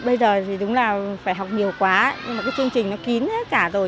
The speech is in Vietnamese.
bây giờ thì đúng là phải học nhiều quá nhưng mà cái chương trình nó kín hết cả rồi